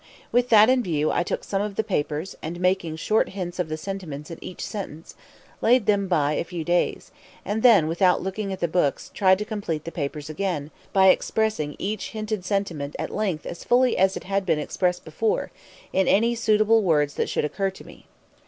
"With that view, I took some of the papers, and making short hints of the sentiments in each sentence, laid them by a few days, and then, without looking at the book, tried to complete the papers again, by expressing each hinted sentiment at length and as fully as it had been expressed before, in any suitable words that should occur to me.